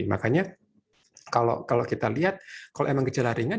makanya kalau kita lihat kalau emang gejala ringan